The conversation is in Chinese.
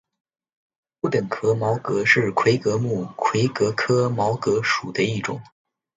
不等壳毛蚶是魁蛤目魁蛤科毛蚶属的一种。